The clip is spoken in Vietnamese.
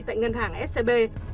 tại ngân hàng scb